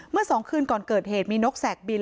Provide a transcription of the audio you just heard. เมื่อสองคืนก่อนเกิดเหตุมีนกแสกบิน